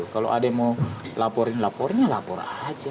kalau ada yang mau laporin laporin ya lapor aja